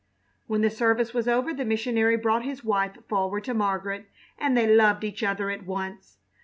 When the service was over the missionary brought his wife forward to Margaret, and they loved each other at once.